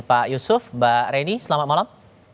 pak yusuf mbak reni selamat malam